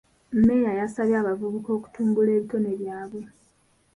Mmeeya yasabye abavubuka okutumbula ebitone byabwe .